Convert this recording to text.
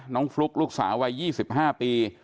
ฟลุ๊กลูกสาววัย๒๕ปี